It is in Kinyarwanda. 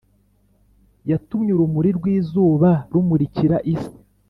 yatumye urumuri rw’izuba rumurikira isi.